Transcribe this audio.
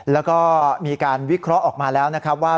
แล้วก็มีการวิเคราะห์ออกมาแล้วนะครับว่า